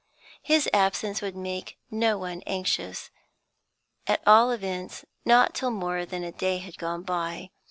His absence would make no one anxious, at all events not till more than a day had gone by.